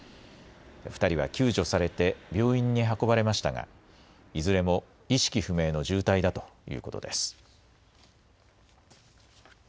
２人は救助されて病院に運ばれましたがいずれも意識不明の重体だということです。